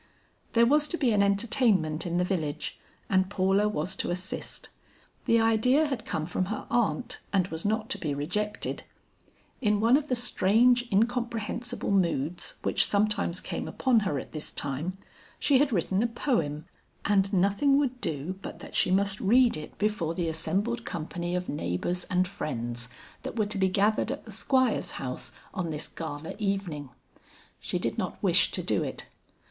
There was to be an entertainment in the village and Paula was to assist. The idea had come from her aunt and was not to be rejected. In one of the strange incomprehensible moods which sometimes came upon her at this time, she had written a poem, and nothing would do but that she mast read it before the assembled company of neighbors and friends, that were to be gathered at the Squire's house on this gala evening. She did not wish to do it.